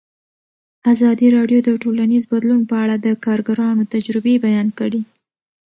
ازادي راډیو د ټولنیز بدلون په اړه د کارګرانو تجربې بیان کړي.